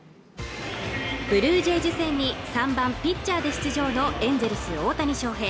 ブルージェイズ戦に３番ピッチャーで出場のエンゼルス大谷翔平